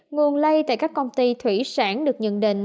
nguồn lây tại các công ty thủy sản được nhận định